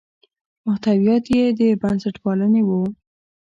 محتویات یې د بنسټپالنې وو.